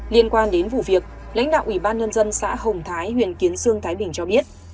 liên quan đến vụ việc lãnh đạo ủy ban nhân dân xã hồng thái huyện kiến sương thái bình cho biết